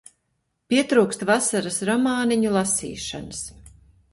Pietrūkst vasaras romāniņu lasīšanas.